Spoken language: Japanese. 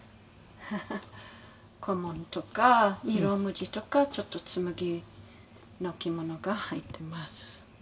フフ」「小紋とか色無地とかちょっと紬の着物が入っています」